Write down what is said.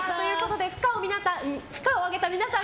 不可を上げた皆さん